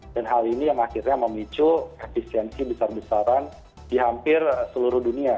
hal ini yang akhirnya memicu efisiensi besar besaran di hampir seluruh dunia